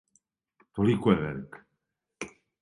Толико је велик.